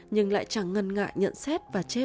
nhưng lại chẳng ngần ngại nhận xét